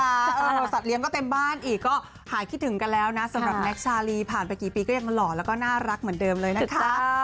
บริษัทเลี้ยก็เต็มบ้านอีกก็หายคิดถึงกันแล้วนะสำหรับแน็กชาลีผ่านไปกี่ปีก็ยังหล่อแล้วก็น่ารักเหมือนเดิมเลยนะคะ